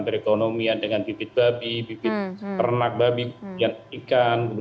perekonomian dengan bibit babi bibit ternak babi ikan